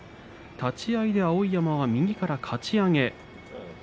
立ち合いで碧山が右からかち上げ。